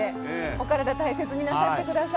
お体大切になさって下さい。